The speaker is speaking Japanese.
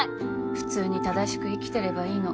普通に正しく生きていればいいの。